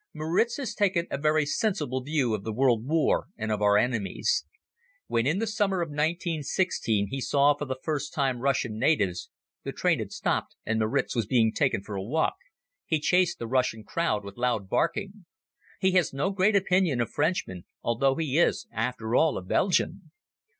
Moritz has taken a very sensible view of the world war and of our enemies. When in the summer of 1916 he saw for the first time Russian natives the train had stopped and Moritz was being taken for a walk he chased the Russian crowd with loud barking. He has no great opinion of Frenchmen although he is, after all, a Belgian.